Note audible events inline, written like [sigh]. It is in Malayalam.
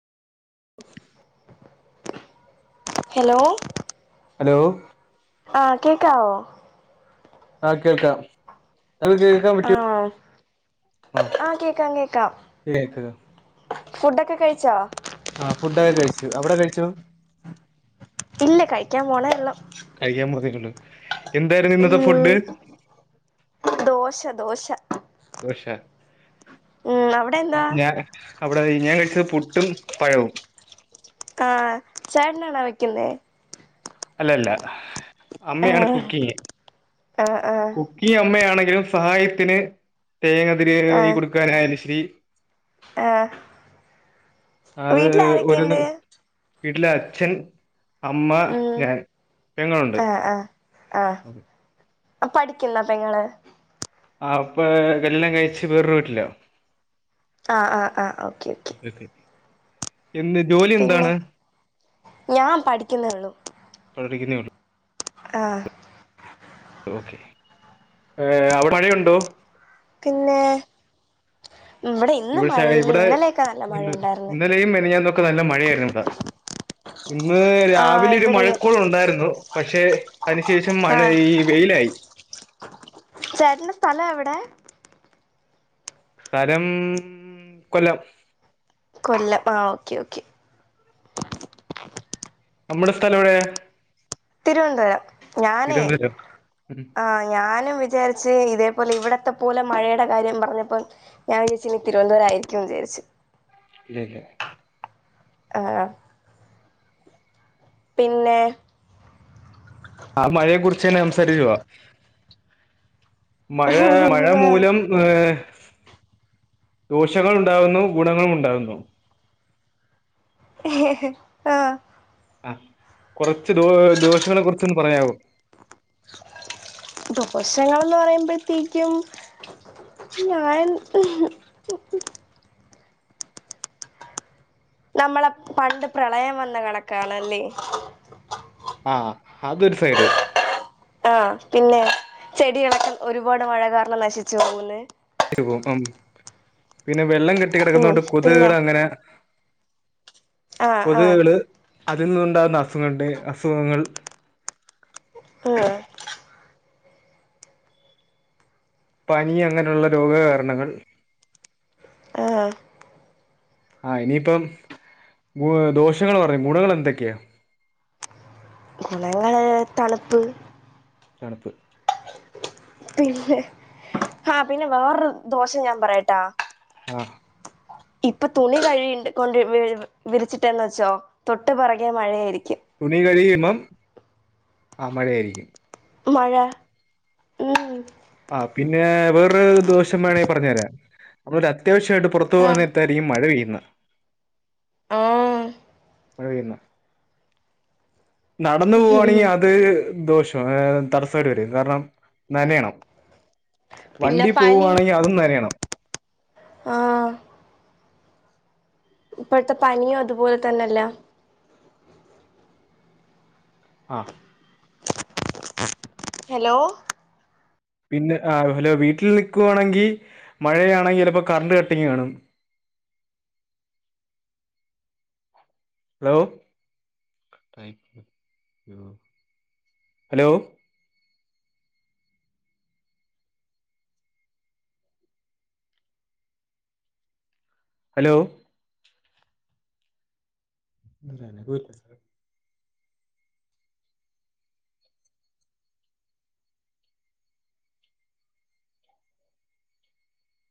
ഹലോ ഹലോ ആ കേക്കാവോ ആ കേൾക്കാം. അത് കേക്കാൻ പറ്റിയ ആഹ് ആ ആഹ് കേക്കാം കേക്കാം കേക്ക ഫുഡൊക്കെ കഴിച്ചോ? ആ ഫുഡൊക്കെ കഴിച്ചു അവിടെ കഴിച്ചൊ ഇല്ല കഴിക്കാൻ പോണെള്ളൂ എന്താര്ന് ഇന്നത്തെഫുഡ് ദോശ ദോശ പഷ ഉം അവിടെ എന്താ ഞ അവിടെ ഞാൻ കഴിച്ച് പുട്ടും പഴവും ആ ചേട്ടനാണാ വെക്കുന്നേ അല്ലല്ല അമ്മയാണ് ആഹ് കുക്കിങ് ആഹ് ആഹ് കുക്കിങ് അമ്മയാണ് എന്തെങ്കലും സഹായത്തിന് തേങ്ങതിരി കൊടുക്കാനായാലും ശരി ആ അത് ഒരുന്ന് വീട്ടിലെ അച്ഛൻ അമ്മ ഞാൻ ഞങ്ങളുണ്ട് ആ പഠിക്കുന്നോ പെങ്ങള് ആ അപ്പൊ കല്യാണം കഴച്ച് വേറ വീട്ടിലാ ആ ആ ആ ഓക്കേ ഓക്കെ എന്ത് ജോലി പിന്നെ എന്താണ് ഞാൻ പഠിക്കുന്നേ പ്പോ ടിഗ്രിരി ആ ഓക്കെ ഏ അവിടെ മഴയുണ്ടോ? പിന്നെയ് ഇവിടെ ഇന്ന് ശ മഴയില്ല ഇവിടെ ഇന്നലെയൊക്കെ നല്ല ഇന്ന് മഴയുണ്ടായിന്ന്. ഇന്നലെയും മെനഞ്ഞാന്നൊക്കെ നല്ല മഴയായിരുന്നു ഇവിടെ. ഇന്ന് രാവിലെ ഒരു ഇവിടെയും മഴക്കോള് ഉണ്ടായിരുന്നു പക്ഷെ അതിനുശേഷം മഴ ആഹ് ഈ വെയിലായി. ചേട്ടന്റെ സ്ഥലം എവിടെ? തരം കൊല്ലം. കൊല്ലം ആ ഓക്കെ ഓക്കെ നമ്മുടെ സ്ഥലം എവിടെയാ? തിരുവനന്തപുരം ഞാനേ തിരുവനന്തപുരം. ഉം ആഹ ഞാനും വിചാരിച്ച് ഇതേപോലെ ഇവിടത്തെ പോലെ മഴയുടെ കാര്യം പറഞ്ഞപ്പ ഞാൻ വിചാരിച്ച്ഇ തിരുവനന്തപുരായിരിക്കും വിചാരിച്ചു. അല്ലല്ല ആഹ പിന്നെ ആ മഴയെ കുറിച്ച്ന്നെ സംസാരിക്കുവാ. മഴ മഴ മൂലം ഹ ദോഷങ്ങള് ഉണ്ടാവുന്നു ഗുണങ്ങളും ഉണ്ടാവുന്നു. ആഹ ആ കൊറച്ച് ദോ ദോഷങ്ങളെ കുറിച്ചൊന്ന് പറയാമോ? ദോശങ്ങളന്ന് പറയുമ്പോഴത്തേക്കും ഞാൻ ഹും നമ്മളെ പണ്ട് പ്രളയം വന്ന കണക്കാണല്ലേ ആ അതൊരു സൈഡ് ആ പിന്നെ ചെടിയിളക്കം ഒരുപാട് മഴ കാരണം നശിച്ചു പോകുന്നേ പിന്നെ വെള്ളം കെട്ടി ഉം കിടക്കുന്നോണ്ട് പിന്നെ കൊതുകുകൾ അങ്ങനെ ആഹ് ആഹ് കൊതുകുകള് അതിൽ നിന്നുണ്ടാകുന്ന അസുഖണ്ട് അസുഖങ്ങൾ ആ പനി അങ്ങനെയുള്ള രോഗകാരണങ്ങൾ ആ ആ ഇനിയിപ്പം ദോഷങ്ങൾ പറഞ്ഞ ഗുണങ്ങൾ എന്തൊക്കെയാ? ഗുണങ്ങൾ തണുപ്പ് തണുപ്പ് ആഹ പിന്നെ വേറൊരു ദോഷംഞാൻ പറയട്ടാ ആഹ ഇപ്പൊ തുണി കഴി കൊണ്ട് വിരിച്ചിട്ടന്ന് വെച്ചോ തൊട്ട്പറകെ മഴയായിരിക്കും. തുണി കഴികയുമ്പം ആ മഴയായിരിക്കും. മഴ ഉം ആ പിന്നെ വേറൊ ദോഷം വേണമൽ പറഞ്ഞു തരാം നമ്മ അത്യാവശ്യമായിട്ട് പുറത്ത ആഹ് പോകുന്നരത്തായിരിക്കും മഴ പെയ്യുന്നത്. ഓ നടന്ന പോവാവാണെങ്കിൽ അത് ദോഷംഏ തടസ്സമായിട്ട് വരും കാരണം നനയണം. പിന്നെ വണ്ടി പോവുവാണെങ്കിൽ അതും നന്നയണം. ആഹ ഇപ്പഴത്തെ പനിയും അതുപോലെ തന്നെല്ല, ആഹ ഹലോ പിന്നെ ആ ഹലോ വീട്ടിൽ നിക്കുവാണെങ്കിൽ മഴയാണെങ്കിൽ ലിപ്പോ കറണ്ട് കട്ടിങ് കാണും. [inaudible] ഹലോ ഹായ് ഹലോ ഹലോ തന്നെ പോയി